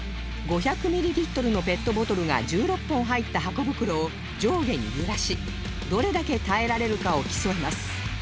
５００ミリリットルのペットボトルが１６本入ったハコ袋を上下に揺らしどれだけ耐えられるかを競います